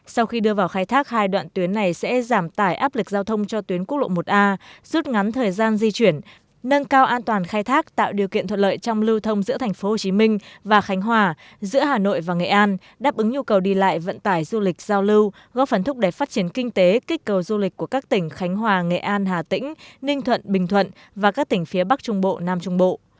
sau khi đưa vào khai thác hai đoạn tuyến này sẽ giảm tải áp lực giao thông cho tuyến quốc lộ một a rút ngắn thời gian di chuyển nâng cao an toàn khai thác tạo điều kiện thuận lợi trong lưu thông giữa tp hcm và khánh hòa giữa hà nội và nghệ an đáp ứng nhu cầu đi lại vận tải du lịch giao lưu góp phần thúc đẹp phát triển kinh tế kích cầu du lịch của các tỉnh khánh hòa nghệ an hà tĩnh ninh thuận bình thuận và các tỉnh phía bắc trung bộ nam trung bộ